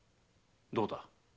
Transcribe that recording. どうだ？